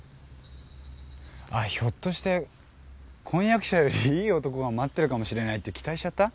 ひょっとして婚約者よりいい男が待ってるかもしれないって期待しちゃった？